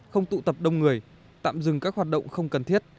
không tụ tập đông người tạm dừng các hoạt động không cần thiết